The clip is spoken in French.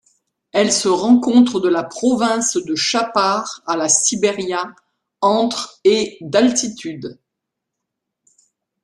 Elle se rencontre de la province de Chapare à La Siberia entre et d'altitude.